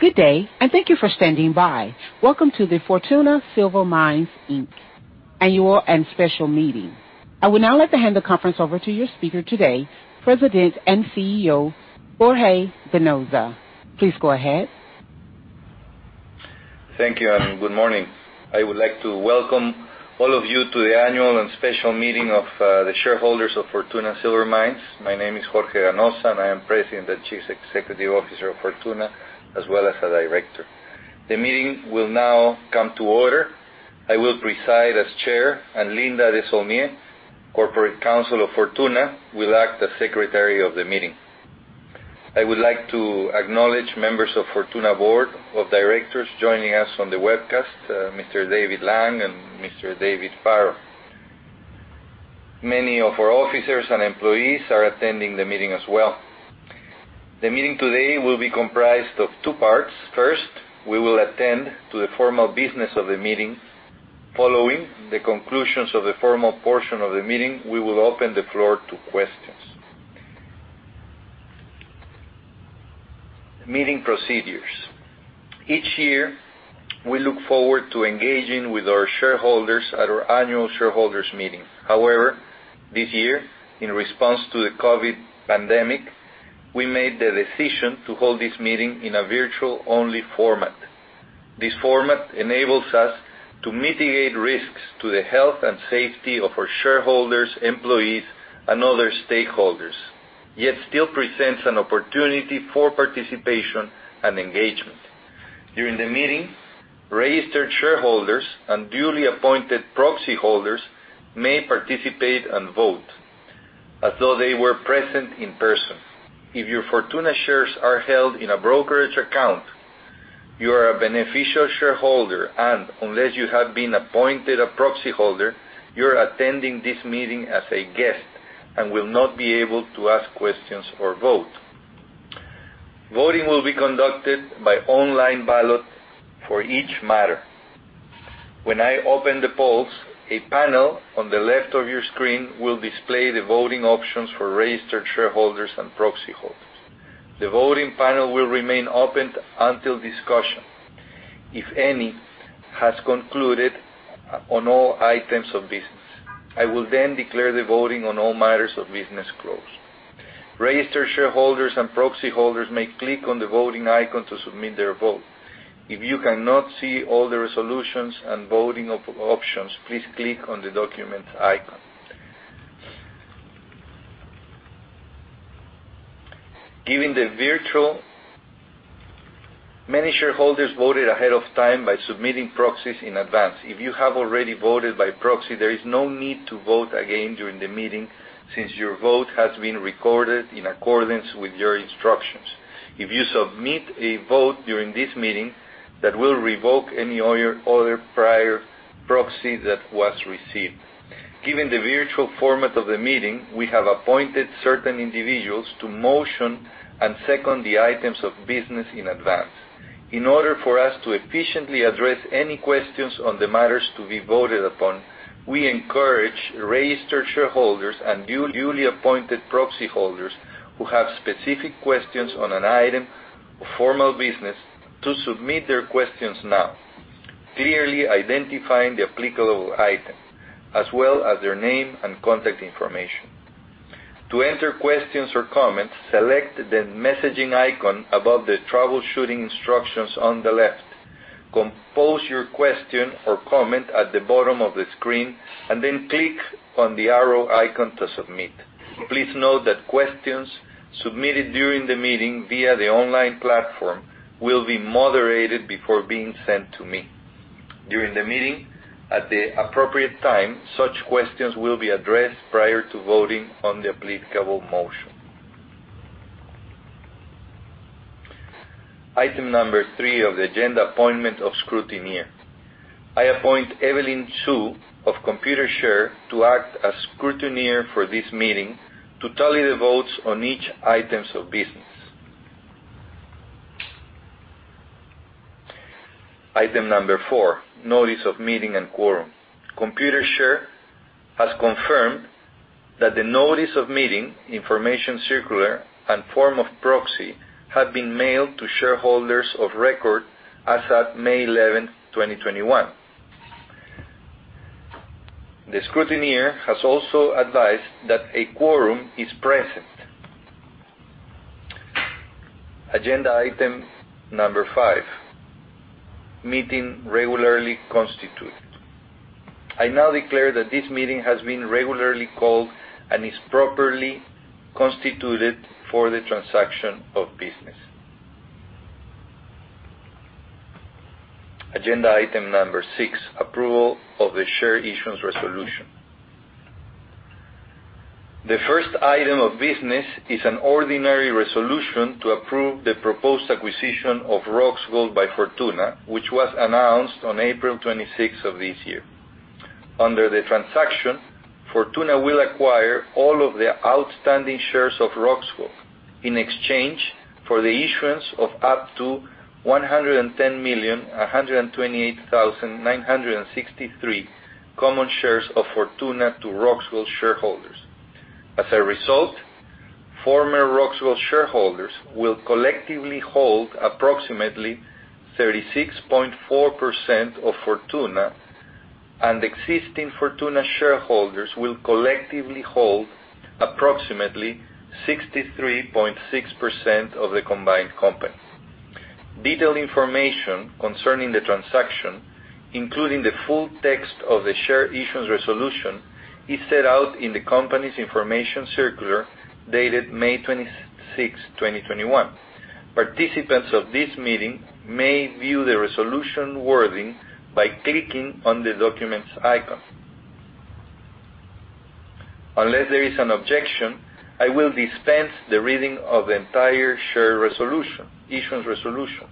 Good day, and thank you for standing by. Welcome to the Fortuna Silver Mines Inc. Annual and Special Meeting. I will now hand the conference over to your speaker today, President and CEO, Jorge Ganoza. Please go ahead. Thank you. Good morning. I would like to welcome all of you to the annual and special meeting of the shareholders of Fortuna Silver Mines. My name is Jorge Ganoza. I am President and Chief Executive Officer of Fortuna, as well as a Director. The meeting will now come to order. I will preside as Chair, and Linda Desaulniers, Corporate Counsel of Fortuna, will act as Secretary of the meeting. I would like to acknowledge members of Fortuna Board of Directors joining us on the webcast, Mr. David Laing and Mr. David Farrell. Many of our officers and employees are attending the meeting as well. The meeting today will be comprised of two parts. First, we will attend to the formal business of the meeting. Following the conclusions of the formal portion of the meeting, we will open the floor to questions. Meeting procedures. Each year, we look forward to engaging with our shareholders at our annual shareholders' meeting. However, this year, in response to the COVID pandemic, we made the decision to hold this meeting in a virtual-only format. This format enables us to mitigate risks to the health and safety of our shareholders, employees, and other stakeholders, yet still presents an opportunity for participation and engagement. During the meeting, registered shareholders and duly appointed proxy holders may participate and vote as though they were present in person. If your Fortuna shares are held in a brokerage account, you are a beneficial shareholder, and unless you have been appointed a proxy holder, you're attending this meeting as a guest and will not be able to ask questions or vote. Voting will be conducted by online ballot for each matter. When I open the polls, a panel on the left of your screen will display the voting options for registered shareholders and proxy holders. The voting panel will remain open until discussion, if any, has concluded on all items of business. I will then declare the voting on all matters of business closed. Registered shareholders and proxy holders may click on the voting icon to submit their vote. If you cannot see all the resolutions and voting options, please click on the document icon. Many shareholders voted ahead of time by submitting proxies in advance. If you have already voted by proxy, there is no need to vote again during the meeting since your vote has been recorded in accordance with your instructions. If you submit a vote during this meeting, that will revoke any other prior proxy that was received. Given the virtual format of the meeting, we have appointed certain individuals to motion and second the items of business in advance. In order for us to efficiently address any questions on the matters to be voted upon. We encourage registered shareholders and duly appointed proxy holders who have specific questions on an item of formal business to submit their questions now, clearly identifying the applicable item, as well as their name and contact information. To enter questions or comments, select the messaging icon above the troubleshooting instructions on the left. Compose your question or comment at the bottom of the screen, and then click on the arrow icon to submit. Please note that questions submitted during the meeting via the online platform will be moderated before being sent to me. During the meeting, at the appropriate time, such questions will be addressed prior to voting on the applicable motion. Item number three of the agenda, appointment of scrutineer. I appoint Evelyn Hsu of Computershare to act as scrutineer for this meeting to tally the votes on each item of business. Item number four, notice of meeting and quorum. Computershare has confirmed that the notice of meeting, information circular, and form of proxy have been mailed to shareholders of record as at May 11th, 2021. The scrutineer has also advised that a quorum is present. Agenda item number five, meeting regularly constituted. I now declare that this meeting has been regularly called and is properly constituted for the transaction of business. Agenda item number six, approval of the share issuance resolution. The first item of business is an ordinary resolution to approve the proposed acquisition of Roxgold by Fortuna, which was announced on April 26th of this year. Under the transaction, Fortuna will acquire all of the outstanding shares of Roxgold in exchange for the issuance of up to 110,128,963 common shares of Fortuna to Roxgold shareholders. As a result, former Roxgold shareholders will collectively hold approximately 36.4% of Fortuna, and existing Fortuna shareholders will collectively hold approximately 63.6% of the combined company. Detailed information concerning the transaction, including the full text of the share issuance resolution, is set out in the company's information circular dated May 26, 2021. Participants of this meeting may view the resolution wording by clicking on the documents icon. Unless there is an objection, I will dispense the reading of the entire share issuance resolution.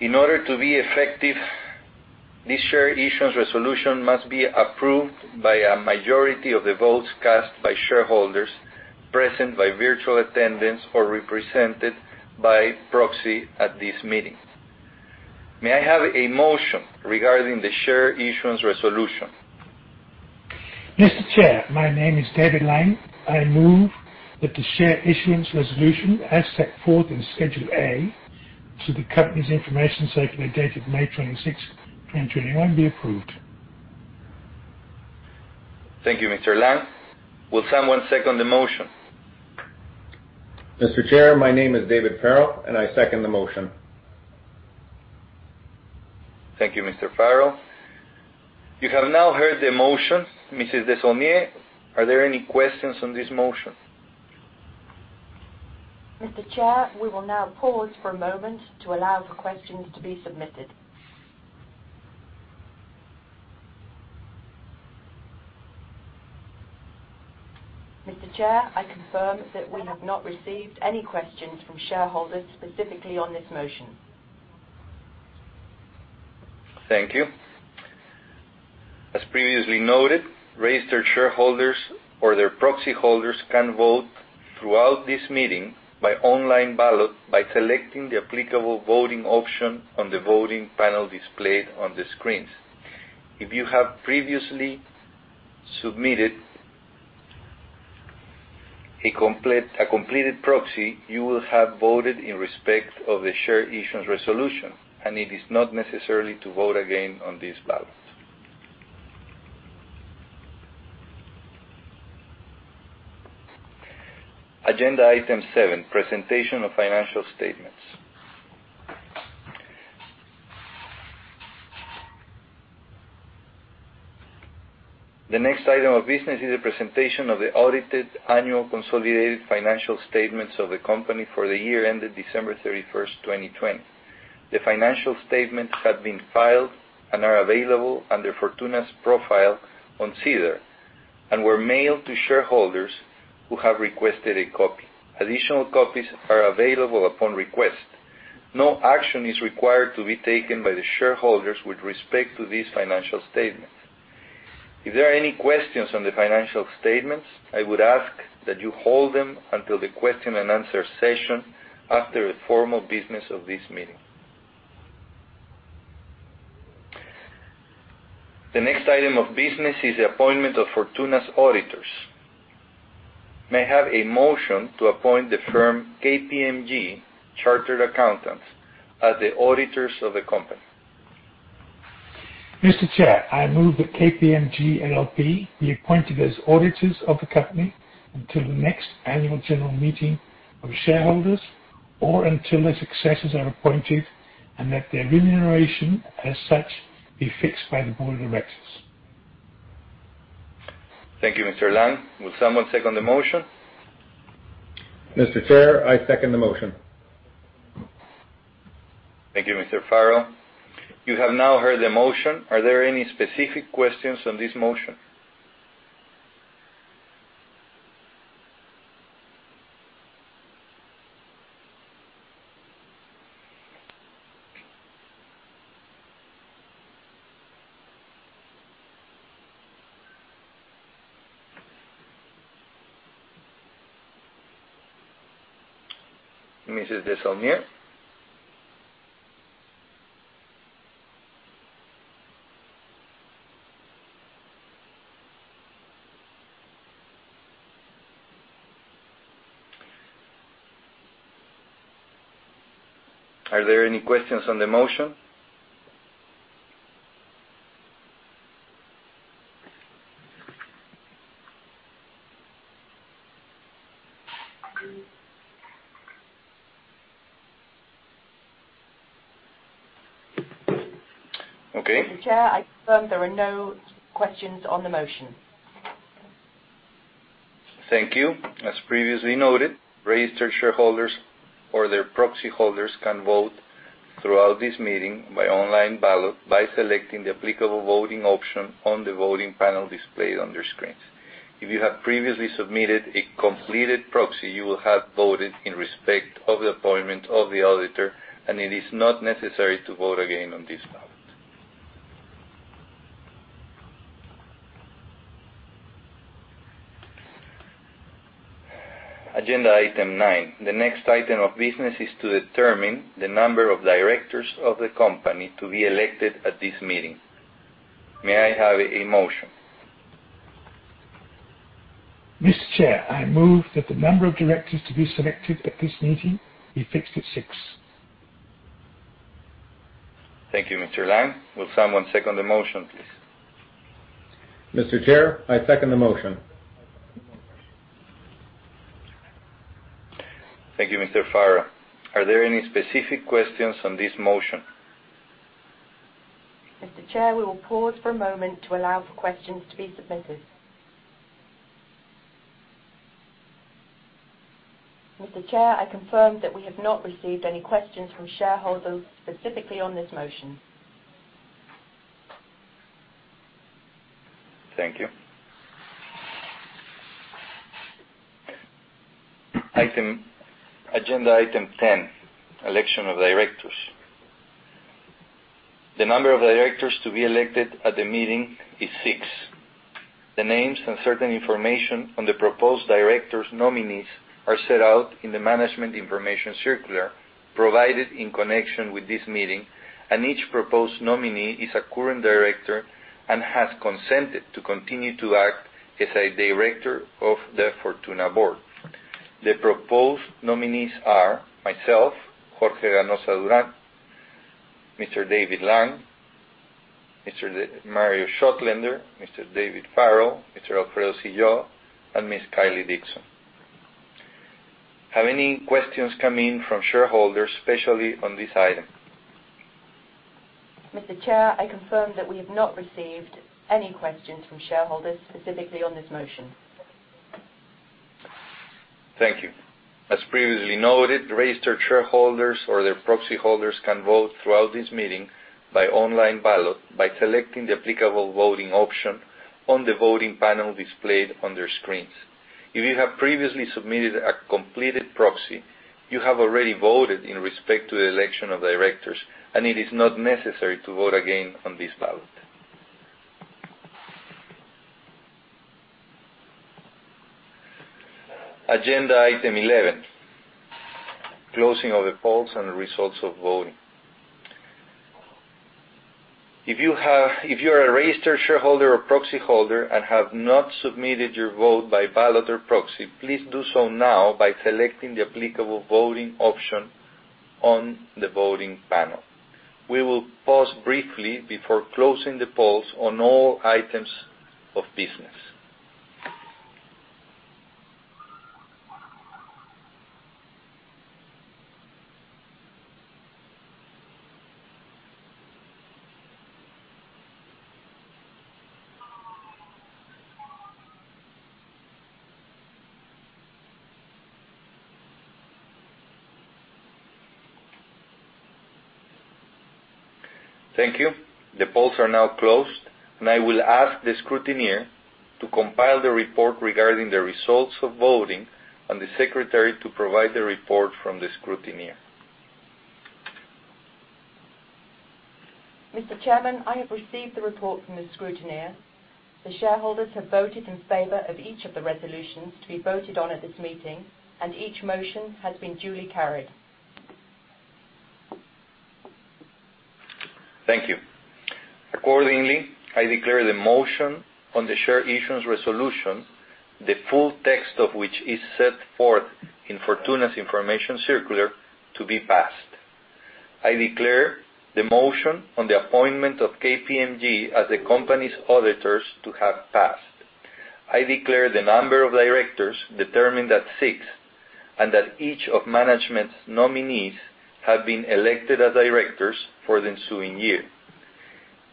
In order to be effective, this share issuance resolution must be approved by a majority of the votes cast by shareholders present by virtual attendance or represented by proxy at this meeting. May I have a motion regarding the share issuance resolution? Mr. Chair, my name is David Laing. I move that the share issuance resolution as set forth in Schedule A to the company's information circular dated May 26th, 2021, be approved. Thank you, Mr. Laing. Will someone second the motion? Mr. Chair, my name is David Farrell. I second the motion. Thank you, Mr. Farrell. You have now heard the motion. Mrs. Desaulniers, are there any questions on this motion? Mr. Chair, we will now pause for a moment to allow for questions to be submitted. Mr. Chair, I confirm that we have not received any questions from shareholders specifically on this motion. Thank you. As previously noted, registered shareholders or their proxyholders can vote throughout this meeting by online ballot by selecting the applicable voting option on the voting panel displayed on the screens. If you have previously submitted a completed proxy, you will have voted in respect of the share issuance resolution, and it is not necessary to vote again on this ballot. Agenda item seven, presentation of financial statements. The next item of business is the presentation of the audited annual consolidated financial statements of the company for the year ended December 31st, 2020. The financial statements have been filed and are available under Fortuna's profile on SEDAR and were mailed to shareholders who have requested a copy. Additional copies are available upon request. No action is required to be taken by the shareholders with respect to these financial statements. If there are any questions on the financial statements, I would ask that you hold them until the question-and-answer session after the formal business of this meeting. The next item of business is the appointment of Fortuna's auditors. May I have a motion to appoint the firm KPMG Chartered Accountants as the auditors of the company. Mr. Chair, I move that KPMG LLP be appointed as auditors of the company until the next annual general meeting of shareholders or until their successors are appointed and that their remuneration as such be fixed by the board of directors. Thank you, Mr. Laing. Will someone second the motion? Mr. Chair, I second the motion. Thank you, Mr. Farrell. You have now heard the motion. Are there any specific questions on this motion? Mrs. Desaulniers? Are there any questions on the motion? Okay. Mr. Chair, I confirm there are no questions on the motion. Thank you. As previously noted, registered shareholders or their proxyholders can vote throughout this meeting by online ballot by selecting the applicable voting option on the voting panel displayed on their screens. If you have previously submitted a completed proxy, you will have voted in respect of the appointment of the auditor, and it is not necessary to vote again on this ballot. Agenda item nine. The next item of business is to determine the number of directors of the company to be elected at this meeting. May I have a motion? Mr. Chair, I move that the number of directors to be selected at this meeting be fixed at six. Thank you, Mr. Laing. Will someone second the motion, please? Mr. Chair, I second the motion. Thank you, Mr. Farrell. Are there any specific questions on this motion? Mr. Chair, we will pause for a moment to allow for questions to be submitted. Mr. Chair, I confirm that we have not received any questions from shareholders specifically on this motion. Thank you. Agenda item 10, election of directors. The number of directors to be elected at the meeting is 6. The names and certain information on the proposed directors' nominees are set out in the management information circular provided in connection with this meeting, and each proposed nominee is a current director and has consented to continue to act as a director of the Fortuna board. The proposed nominees are myself, Jorge Ganoza Durant, Mr. David Laing, Mr. Mario Szotlender, Mr. David Farrell, Mr. Alfredo Sillau, and Ms. Kylie Dickson. Have any questions come in from shareholders, especially on this item? Mr. Chair, I confirm that we've not received any questions from shareholders specifically on this motion. Thank you. As previously noted, registered shareholders or their proxy holders can vote throughout this meeting by online ballot by selecting the applicable voting option on the voting panel displayed on their screens. If you have previously submitted a completed proxy, you have already voted in respect to the election of directors, and it is not necessary to vote again on this ballot. Agenda item 11, closing of the polls and results of voting. If you are a registered shareholder or proxy holder and have not submitted your vote by ballot or proxy, please do so now by selecting the applicable voting option on the voting panel. We will pause briefly before closing the polls on all items of business. Thank you. The polls are now closed, and I will ask the scrutineer to compile the report regarding the results of voting and the secretary to provide the report from the scrutineer. Mr. Chairman, I have received the report from the scrutineer. The shareholders have voted in favor of each of the resolutions to be voted on at this meeting, and each motion has been duly carried. Thank you. Accordingly, I declare the motion on the share issuance resolution, the full text of which is set forth in Fortuna's information circular, to be passed. I declare the motion on the appointment of KPMG as the company's auditors to have passed. I declare the number of directors determined at six and that each of management's nominees have been elected as directors for the ensuing year.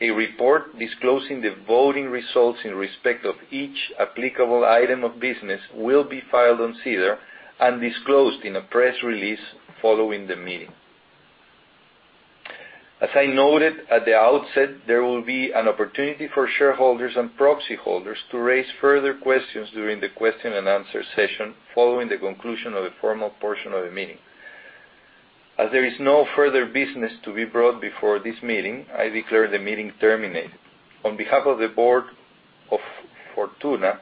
A report disclosing the voting results in respect of each applicable item of business will be filed on SEDAR and disclosed in a press release following the meeting. As I noted at the outset, there will be an opportunity for shareholders and proxy holders to raise further questions during the question-and-answer session following the conclusion of the formal portion of the meeting. As there is no further business to be brought before this meeting, I declare the meeting terminated. On behalf of the board of Fortuna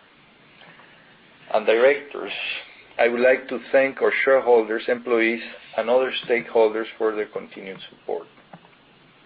and directors, I would like to thank our shareholders, employees, and other stakeholders for their continued support.